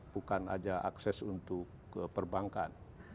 bukan aja akses untuk ke perbankan